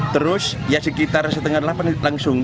terus ya sekitar setengah delapan langsung